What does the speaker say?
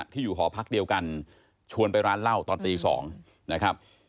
ที่อยู่หอพักเดียวกันชวนไปร้านเหล้าตอนตี๒นะครับ